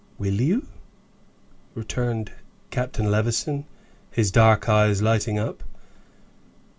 "Will you?" returned Captain Levison, his dark eyes lighting up.